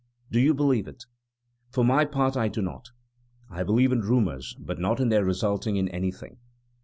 Do you believe it? For my part, I do not. I believe in rumors, but not in their resulting in anything.